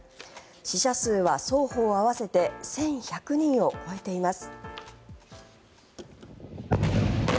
死者数は双方合わせて１１００人を超えています。